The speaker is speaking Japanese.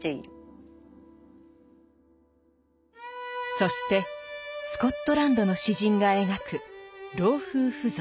そしてスコットランドの詩人が描く老夫婦像。